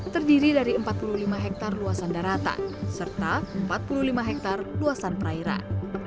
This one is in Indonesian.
terdiri dari empat puluh lima hektare luasan darata serta empat puluh lima hektare luasan perairan